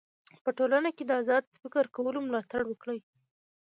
په ټولنه کي د ازاد فکر کولو ملاتړ وکړئ.